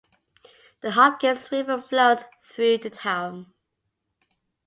The Hopkins River flows through the town.